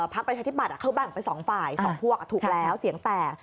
ประชาธิบัตย์เขาแบ่งไป๒ฝ่าย๒พวกถูกแล้วเสียงแตก